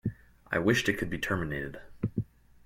I wished it could be terminated.